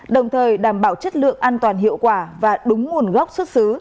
đồng thời đảm bảo chất lượng an toàn hiệu quả và đúng nguồn gốc xuất xứ